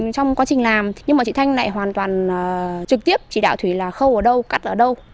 trong quá trình làm nhưng mà chị thanh lại hoàn toàn trực tiếp chỉ đạo thủy là khâu ở đâu cắt ở đâu